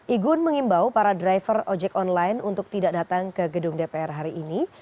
igun mengimbau para driver ojek online untuk tidak datang ke gedung dpr hari ini